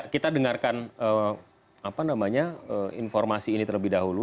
kita dengarkan informasi ini terlebih dahulu